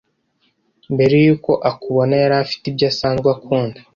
mbere y’uko akubona yari afite ibyo asanzwe akunda